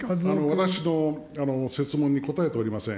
私の設問に答えておりません。